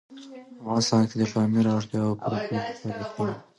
افغانستان کې د پامیر د اړتیاوو پوره کولو لپاره اقدامات کېږي.